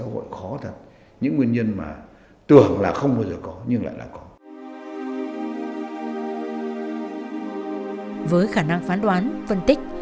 với khả năng phán đoán phân tích